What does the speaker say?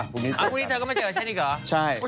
พรุ่งนี้เธอก็ไม่เจอฉันอีกเหรอ